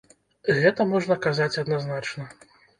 Гэта можна казаць адназначна.